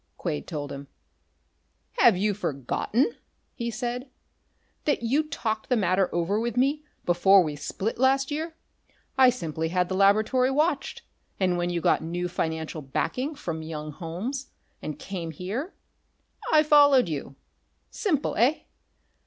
Quade told him. "Have you forgotten," he said, "that you talked the matter over with me before we split last year? I simply had the laboratory watched, and when you got new financial backing from young Holmes, and came here. I followed you. Simple, eh?...